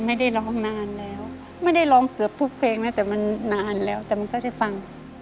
ไม่ได้ร้องนานแล้วไม่ได้ร้องเกือบทุกเพลงนะแต่มันนานแล้วแต่มันก็ได้ฟัง